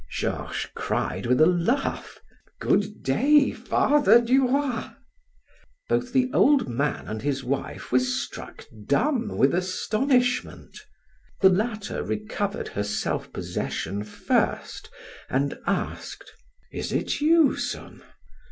Georges cried with a laugh: "Good day, Father Duroy." Both the old man and his wife were struck dumb with astonishment; the latter recovered her self possession first and asked: "Is it you, son?"